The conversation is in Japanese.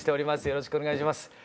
よろしくお願いします。